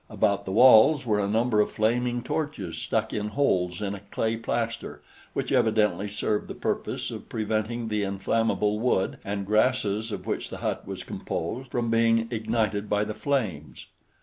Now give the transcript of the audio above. About the walls were a number of flaming torches stuck in holes in a clay plaster which evidently served the purpose of preventing the inflammable wood and grasses of which the hut was composed from being ignited by the flames.